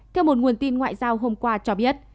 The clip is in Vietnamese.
theo một nguồn tin ngoại giao hôm qua cho biết